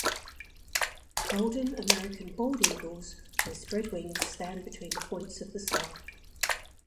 Golden American bald eagles with spread wings stand between the points of the star.